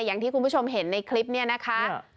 อย่างที่คุณผู้ชมเห็นในคลิปนี้นะคะ